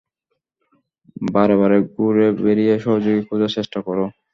বারে-বারে ঘুরে বেরিয়ে, সহযোগী খোঁজার চেষ্টা করো?